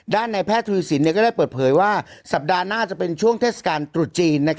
ในแพทย์ทวีสินก็ได้เปิดเผยว่าสัปดาห์หน้าจะเป็นช่วงเทศกาลตรุษจีน